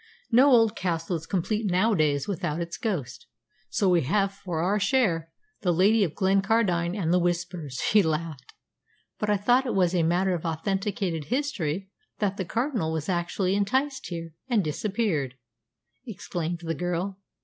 No old castle is complete nowadays without its ghost, so we have for our share the Lady of Glencardine and the Whispers," he laughed. "But I thought it was a matter of authenticated history that the Cardinal was actually enticed here, and disappeared!" exclaimed the girl.